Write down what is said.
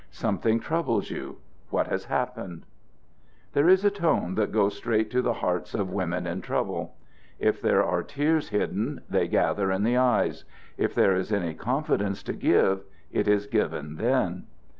"Something troubles you. What has happened?" There is a tone that goes straight to the hearts of women in trouble. If there are tears hidden, they gather in the eyes. If there is any confidence to give, it is given then.